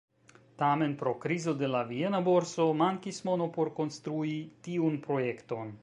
Tamen pro krizo de la viena borso, mankis mono por konstrui tiun projekton.